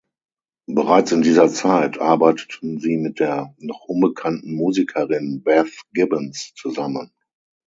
Bereits in dieser Zeit arbeiteten sie mit der noch unbekannten Musikerin Beth Gibbons zusammen.